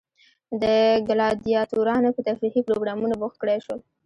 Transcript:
د ګلادیاتورانو په تفریحي پروګرامونو بوخت کړای شول.